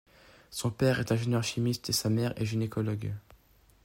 Son père est ingénieur chimiste et sa mère est gynécologue.